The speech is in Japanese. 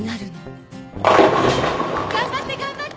頑張って頑張って！